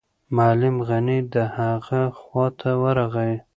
معلم غني د هغه خواته ورغی.